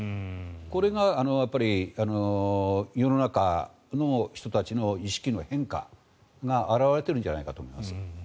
これが世の中の人たちの意識の変化が表れているんじゃないかと思いますね。